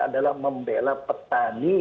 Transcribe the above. adalah membela petani